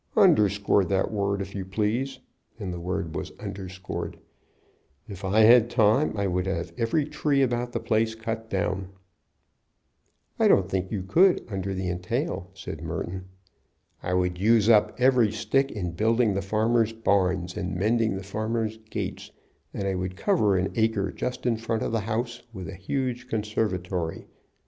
"Underscore that word, if you please;" and the word was underscored. "If I had time I would have every tree about the place cut down." "I don't think you could under the entail," said Merton. "I would use up every stick in building the farmers' barns and mending the farmers' gates, and I would cover an acre just in front of the house with a huge conservatory.